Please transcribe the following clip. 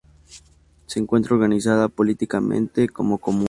Se encuentra organizada políticamente como Comuna.